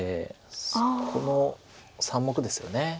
この３目ですよね。